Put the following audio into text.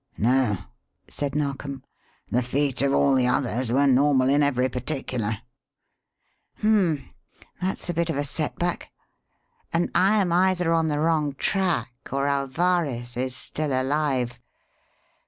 "No," said Narkom. "The feet of all the others were normal in every particular." "Hum m m! That's a bit of a setback. And I am either on the wrong track or Alvarez is still alive.